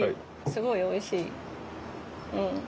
すごいおいしい。